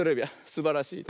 すばらしい。